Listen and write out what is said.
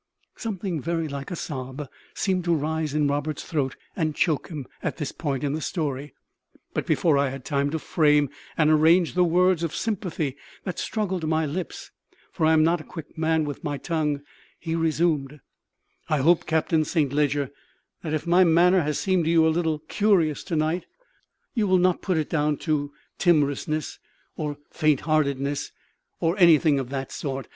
Something very like a sob seemed to rise in Roberts's throat and choke him at this point in his story; but before I had time to frame and arrange the words of sympathy that struggled to my lips for I am not a quick man with my tongue he resumed "I hope, Captain Saint Leger, that if my manner has seemed to you a little curious to night, you will not put it down to timorousness, or faintheartedness, or anything of that sort.